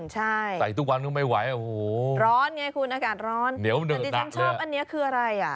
ใช่ใส่ทุกวันก็ไม่ไหวโอ้โหร้อนไงคุณอากาศร้อนเดี๋ยวดิฉันชอบอันนี้คืออะไรอ่ะ